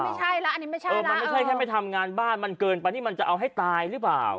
ไม่ใช่แล้วอันนี้ไม่ใช่เออมันไม่ใช่แค่ไม่ทำงานบ้านมันเกินไปนี่มันจะเอาให้ตายหรือเปล่า